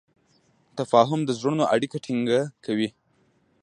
تفاهم د زړونو اړیکه ټینګه کوي.